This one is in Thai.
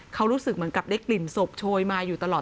เขารู้สึกเหมือนกับได้กลิ่นศพโชยมาอยู่ตลอด